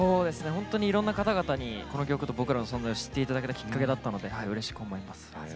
ほんとにいろんな方々にこの曲と僕らの存在を知っていただけたきっかけだったのでうれしく思います。